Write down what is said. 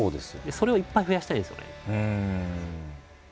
それをいっぱい増やしたいんですよね。